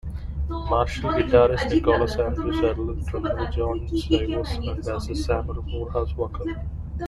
Marshall, guitarist Nicholas Andrew Sadler drummer Jon Syverson and bassist Samuel Moorehouse Walker.